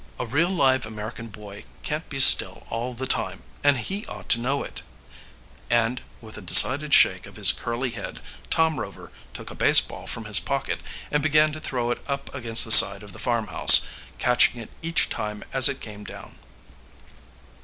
A real live American boy can't be still all the time, and he ought to know it," and, with a decided shake of his curly head, Tom Rover took a baseball from his pocket and began to throw it up against the side of the farmhouse, catching it each time as it came down.